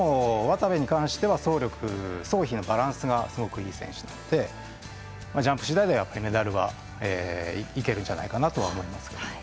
渡部に関しては総力のバランスがすごくいい選手ですのでジャンプしだいではメダルはいけるんじゃないかなと思います。